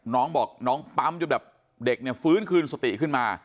น้องบอกน้องปั๊มจนแบบเด็กเนี่ยฟื้นคืนสติขึ้นมา